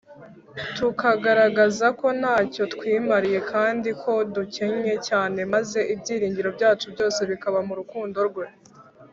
Tukagaragaza ko ntacyo twimariye kandi ko dukennye cyane, maze ibyiringiro byacu byose bikaba mu rukundo rwe.